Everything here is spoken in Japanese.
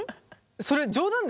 それ冗談でしょ？